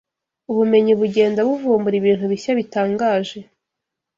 Ubumenyi bugenda buvumbura ibintu bishya bitangaje